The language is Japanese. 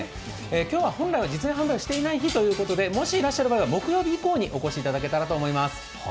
今日は本来は実演販売していない日ということでもしいらっしゃる場合は木曜日以降にお越しいただけたらと思います。